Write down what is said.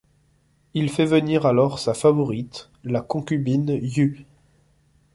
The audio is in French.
Il fait venir alors sa favorite, la concubine Yu.